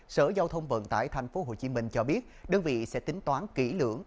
sở giao thông vận tải tp hcm cho biết đơn vị sẽ tính toán kỹ lưỡng